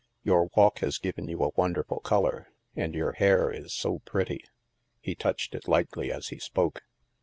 " Your walk has given you a wonderful color, and your hair is so pretty." He touched it lightly as he spoke.